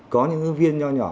có những viên nho nhỏ